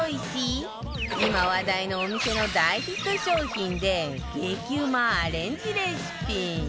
今話題のお店の大ヒット商品で激うまアレンジレシピ